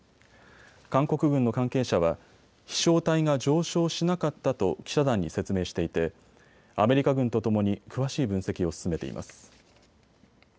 韓国軍の関係者は飛しょう体が上昇しなかったと記者団に説明していてアメリカ軍とともに詳しい分析を進めています。